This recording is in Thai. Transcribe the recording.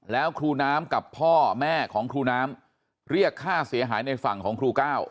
แล้วครูน้ำกับพ่อแม่ของครูน้ำเรียกค่าเสียหายในฝั่งของครูก้าว